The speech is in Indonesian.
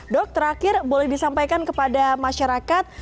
dok terakhir boleh disampaikan kepada masyarakat